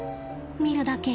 見るだけ。